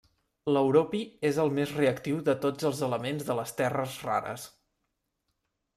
L'europi és el més reactiu de tots els elements de les terres rares.